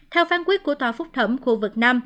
theo phán quyết của tòa phúc thẩm khu vực nam